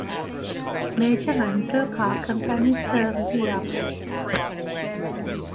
Major rental car companies serve the airport.